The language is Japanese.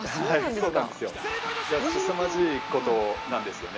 すさまじいことなんですよね。